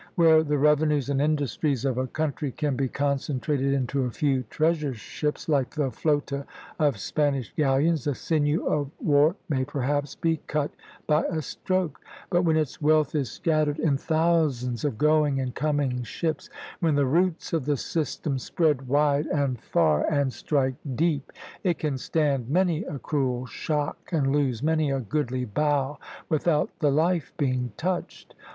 Where the revenues and industries of a country can be concentrated into a few treasure ships, like the flota of Spanish galleons, the sinew of war may perhaps be cut by a stroke; but when its wealth is scattered in thousands of going and coming ships, when the roots of the system spread wide and far, and strike deep, it can stand many a cruel shock and lose many a goodly bough without the life being touched.